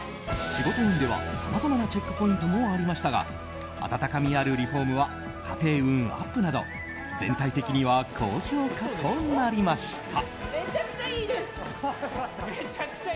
仕事運では、さまざまなチェックポイントもありましたが温かみあるリフォームは家庭運アップなど全体的には高評価となりました。